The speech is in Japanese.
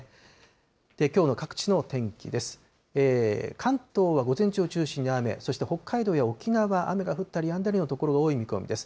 関東は午前中を中心に雨、そして北海道や沖縄は、雨が降ったりやんだりの所多い見込みです。